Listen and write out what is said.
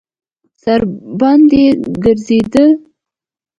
سر راباندې ګرځېده.